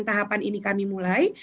tahapan ini kami mulai